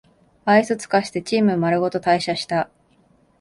愛想つかしてチームまるごと退社した